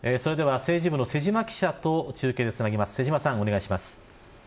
それでは政治部のせじま記者と中継でつなぎます。